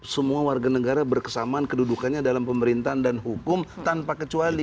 semua warga negara berkesamaan kedudukannya dalam pemerintahan dan hukum tanpa kecuali